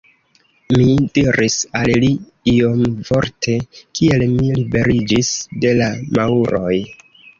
Mi diris al li iomvorte, kiel mi liberiĝis de la Maŭroj.